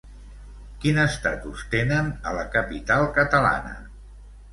Quin estatus tenen a la capital catalana?